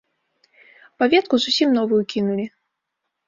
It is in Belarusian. Паветку зусім новую кінулі.